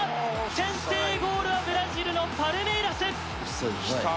先制ゴールはブラジルのパルメイラス！